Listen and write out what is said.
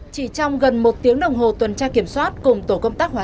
chỉ trong gần một tiếng đồng hồ tuần tra kiểm soát cùng tổ công tác hóa